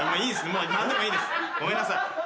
ごめんなさい。